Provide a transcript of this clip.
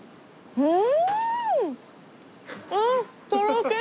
うん！